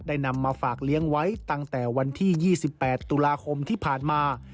นำมาฝากเลี้ยงไว้ตั้งแต่วันที่๒๘ตุลาคมที่ผ่านมา